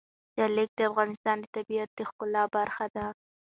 جلګه د افغانستان د طبیعت د ښکلا برخه ده.